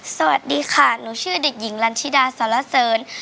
สวัสดีค่ะหนูชื่อเด็กหญิงลันชิดาสารเสริญ